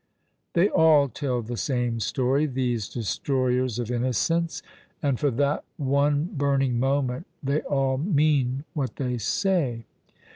They all tell the same story, these destroyers of innocence ; and, for that one burning moment, they all mean what they say.